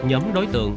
nhóm đối tượng